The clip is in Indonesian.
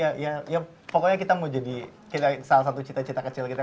ya ya pokoknya kita mau jadi salah satu cita cita kecil kita